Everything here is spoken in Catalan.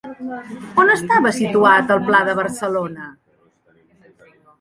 On estava situat el Pla de Barcelona?